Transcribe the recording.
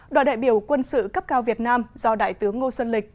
đoàn đại biểu quân sự cấp cao việt nam do đại tướng ngô xuân lịch